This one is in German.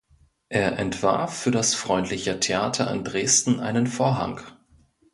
Er entwarf für das "Freundliche Theater" in Dresden einen Vorhang.